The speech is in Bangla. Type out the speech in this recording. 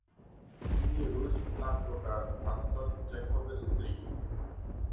তিনি রুশ নাট্যকার আন্তন চেখভের স্ত্রী।